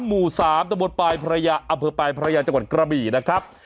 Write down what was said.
หมู่๓ตะบนปลายพระยาอำเภอปลายพระยาจังหวัดกระบี่นะครับ